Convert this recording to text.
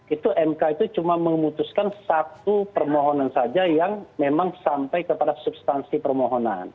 itu mk itu cuma memutuskan satu permohonan saja yang memang sampai kepada substansi permohonan